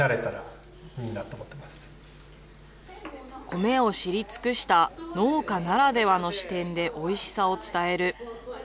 米を知り尽くした農家ならではの視点でおいしさを伝える。